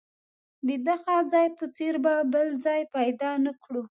د دغه ځای په څېر به بل ځای پیدا نه کړو.